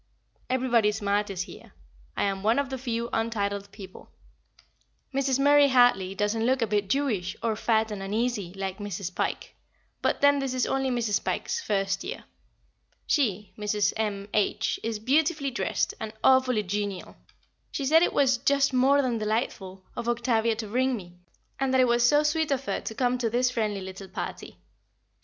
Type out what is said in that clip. Everybody smart is here. I am one of the few untitled people. [Sidenote: A Friendly Little Party] Mrs. Murray Hartley doesn't look a bit Jewish, or fat and uneasy, like Mrs. Pike, but then this is only Mrs. Pike's first year. She Mrs. M. H. is beautifully dressed, and awfully genial; she said it was "just more than delightful" of Octavia to bring me, and that it was so sweet of her to come to this friendly little party.